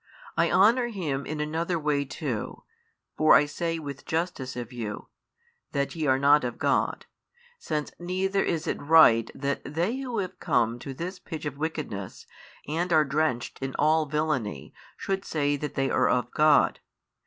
I honour Him in another way too (for I say with justice of you that ye are not of God, since neither is it right that they who have come to this pitch of wickedness and are drenched in all villainy should say that they are of God.